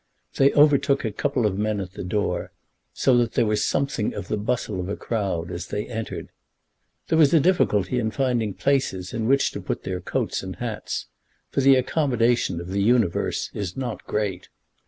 They overtook a couple of men at the door, so that there was something of the bustle of a crowd as they entered. There was a difficulty in finding places in which to put their coats and hats, for the accommodation of The Universe is not great.